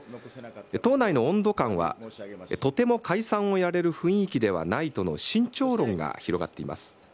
党内の温度感は、とても解散をやれる雰囲気ではないとの慎重論が広がっています。